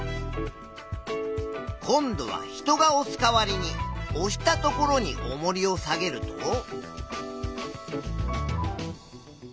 今度は人がおす代わりにおしたところにおもりを下げると。